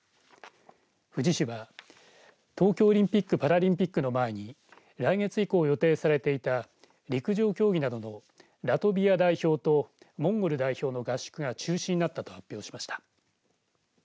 富士市は東京オリンピック・パラリンピックの前に来月以降を予定されていた陸上競技などのラトビア代表とモンゴル代表の合宿が中止になったと発表しました。